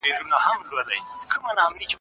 زه د الله تعالی بندګي کوم او سجده ورته کوم